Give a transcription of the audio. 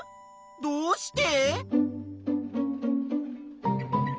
どうして？